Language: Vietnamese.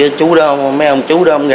là chú đơm mấy ông chú đơm ra